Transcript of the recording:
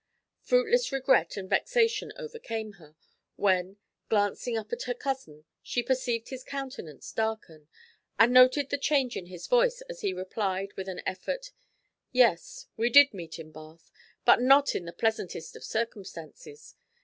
Fruitless regret and vexation overcame her when, glancing up at her cousin, she perceived his countenance darken, and noted the change in his voice as he replied, with an effort: "Yes, we did meet in Bath, but not in the pleasantest of circumstances.